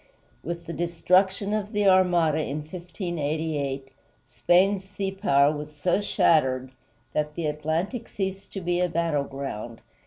With the destruction of the Armada in 1588, Spain's sea power was so shattered that the Atlantic ceased to be a battleground.